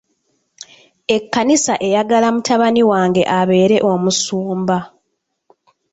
Ekkanisa eyagala mutabani wange abeere omusumba.